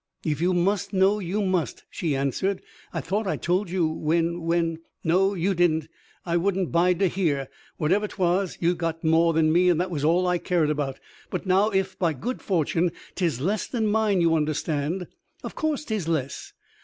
"If you must know, you must," she answered. "I thought I told you when when " "No, you didn't. I wouldn't bide to hear. Whatever 'twas, you'd got more than me, and that was all I cared about; but now, if by good fortune 'tis less than mine, you understand " "Of course 'tis less.